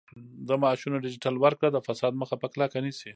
د معاشونو ډیجیټل ورکړه د فساد مخه په کلکه نیسي.